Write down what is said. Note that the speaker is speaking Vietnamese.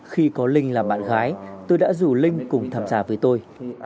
khi có linh là bạn gái tôi đã rủ linh cùng tham gia với tôi